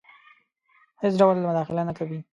هیڅ ډول مداخله نه کوي.